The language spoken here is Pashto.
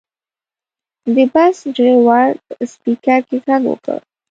د بس ډریور په سپیکر کې غږ وکړ.